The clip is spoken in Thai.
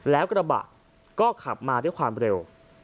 แล้วกระบะก็ขับมาด้วยความเร็ว